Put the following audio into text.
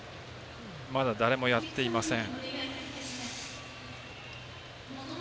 まだ誰もやっていません。